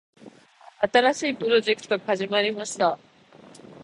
新しいプロジェクトが始まりました。